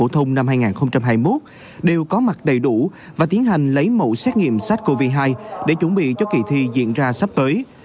thông năm hai nghìn hai mươi một đều có mặt đầy đủ và tiến hành lấy mẫu xét nghiệm sars cov hai để chuẩn bị cho kỳ thi diễn ra sắp tới